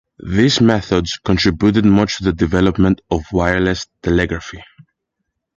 These methods contributed much to the development of wireless telegraphy.